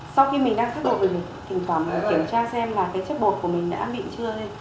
sau khi mình đã sát bột rồi mình thỉnh thoảng kiểm tra xem là cái chất bột của mình đã mịn chưa